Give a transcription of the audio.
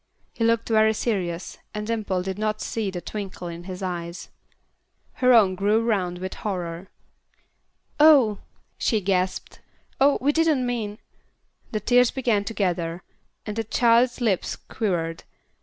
He looked very serious, and Dimple did not see the twinkle in his eyes. Her own grew round with horror. "Oh!" she gasped. "Oh! we didn't mean " The tears began to gather, and the child's lips quivered.